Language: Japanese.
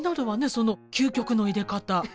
その究極のいれ方。